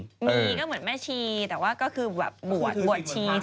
มีก็เหมือนแม่ชีแต่ว่าก็คือแบบบวชบวชชี